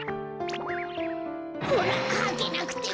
ほらはけなくても。